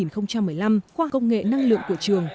khoa học công nghệ năng lượng của trường